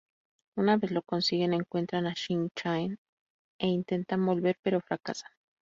Una vez lo consiguen encuentran a Shin Chan e intentan volver, pero fracasan.